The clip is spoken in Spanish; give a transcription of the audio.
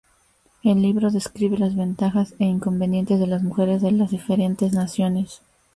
El libro describe las ventajas e inconvenientes de las mujeres de las diferentes naciones.